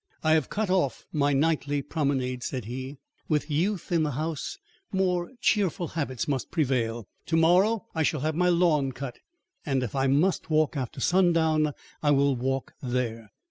"I have cut off my nightly promenade," said he. "With youth in the house, more cheerful habits must prevail. To morrow I shall have my lawn cut, and if I must walk after sundown I will walk there."